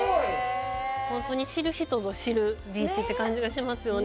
本当に知る人ぞ知るビーチって感じがしますよね。